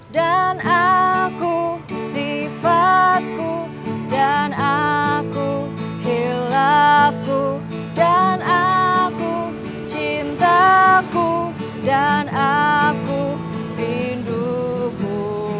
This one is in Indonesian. dan aku sifatku dan aku hilafku dan aku cintaku dan aku rinduku